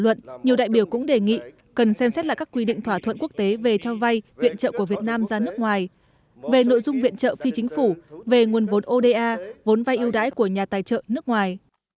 trong luận nhiều đại biểu cũng đề nghị cần xem xét lại các quy định thỏa thuận quốc tế về cho vay viện trợ của việt nam ra nước ngoài về nội dung viện trợ phi chính phủ về nguồn vốn oda vốn vai yêu đãi của nhà tài trợ nước ngoài